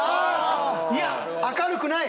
いや明るくない！